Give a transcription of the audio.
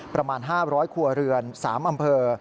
ประมาณ๕๐๐ครัวเรือน๓อำเภอ